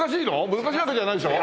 難しいわけじゃないでしょ？